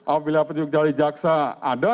apabila penunjuk dari jaksa ada